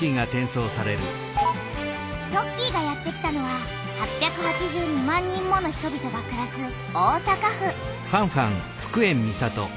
トッキーがやってきたのは８８２万人もの人々がくらす大阪府。